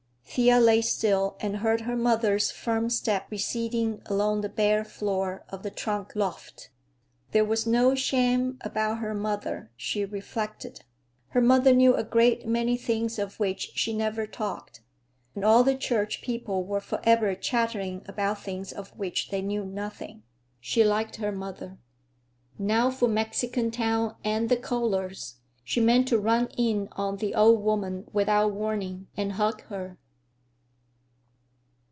Thea lay still and heard her mother's firm step receding along the bare floor of the trunk loft. There was no sham about her mother, she reflected. Her mother knew a great many things of which she never talked, and all the church people were forever chattering about things of which they knew nothing. She liked her mother. Now for Mexican Town and the Kohlers! She meant to run in on the old woman without warning, and hug her.